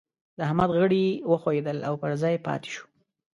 د احمد غړي وښوئېدل او پر ځای پاته شو.